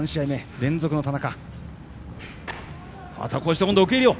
連続の田中。